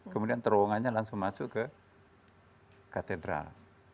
kemudian terowongannya langsung masuk ke katedral